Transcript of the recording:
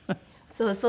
そう。